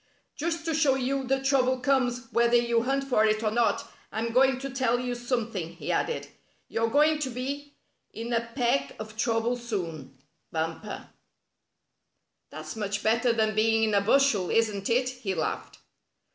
"Just to show you that trouble comes whether you hunt for it or not, I'm going to tell you some thing," he added. " You're going to be in a peck of trouble soon. Bumper." " That's much better than being in a bushel, isn't it?" he laughed.